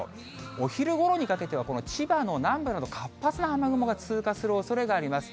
お昼ごろにかけては、この千葉の南部など、活発な雨雲が通過するおそれがあります。